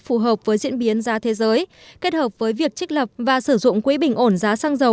phù hợp với diễn biến giá thế giới kết hợp với việc trích lập và sử dụng quỹ bình ổn giá xăng dầu